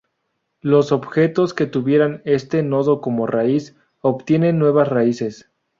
Los objetos que tuvieran este nodo como raíz obtienen nuevas raíces.